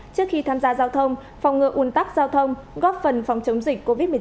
trước khi tham gia giao thông phòng ngừa un tắc giao thông góp phần phòng chống dịch covid một mươi chín có hiệu quả